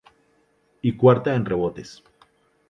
Y cuarta en rebotes.